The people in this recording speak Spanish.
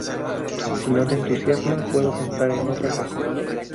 Si no te entusiasma, puedo pensar en otra cosa.